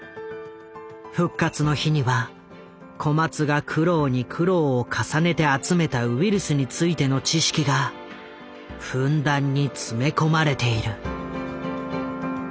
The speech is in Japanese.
「復活の日」には小松が苦労に苦労を重ねて集めたウイルスについての知識がふんだんに詰め込まれている。